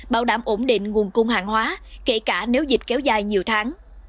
bảo đảm ổn định nguồn cung hàng hóa kể cả nếu dịch kéo dài nhiều tháng